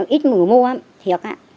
ít người mua á thiệt á